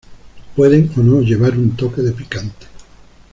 Pueden o no llevar un toque de picante.